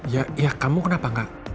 ya kamu kenapa gak